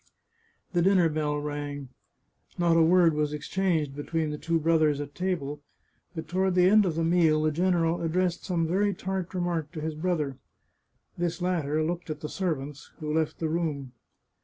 The dinner bell rang. Not a word was ex changed between the two brothers at table, but toward the end of the meal the general addressed some very tart remark to his brother. This latter looked at the servants, who left the room.